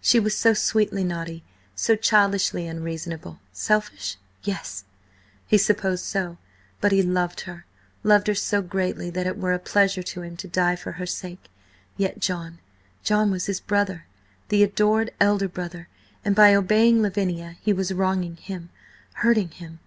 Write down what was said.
She was so sweetly naughty, so childishly unreasonable. Selfish? Yes, he supposed so, but he loved her!–loved her so greatly that it were a pleasure to him to die for her sake. Yet John–John was his brother–the adored elder brother, and by obeying Lavinia he was wronging him, hurting him.